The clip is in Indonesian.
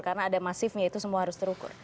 karena ada masifnya itu semua harus terukur